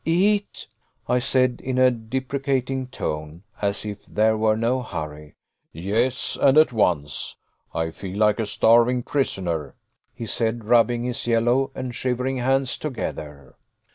"Eat," I said, in a deprecating tone as if there were no hurry. "Yes, and at once. I feel like a starving prisoner," he said, rubbing his yellow and shivering hands together.